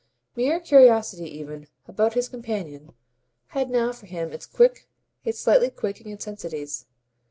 Mere curiosity even, about his companion, had now for him its quick, its slightly quaking intensities.